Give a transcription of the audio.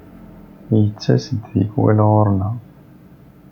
Yettas-d tikwal ɣur-neɣ.